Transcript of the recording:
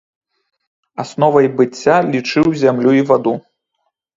Асновай быцця лічыў зямлю і ваду.